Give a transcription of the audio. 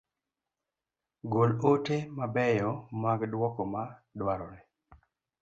Gol ote ma beyo mag duoko ma dwarore.